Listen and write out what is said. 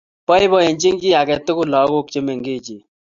Boiboichini kiy age tugul lagok che mengechen